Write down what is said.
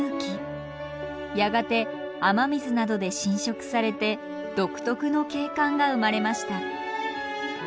やがて雨水などで浸食されて独特の景観が生まれました。